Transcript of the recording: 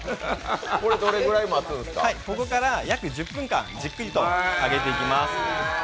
ここから約１０分間、じっくりと揚げていきます。